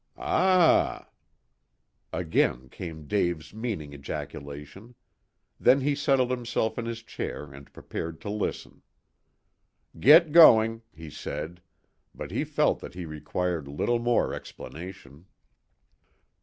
"Ah!" Again came Dave's meaning ejaculation. Then he settled himself in his chair and prepared to listen. "Get going," he said; but he felt that he required little more explanation.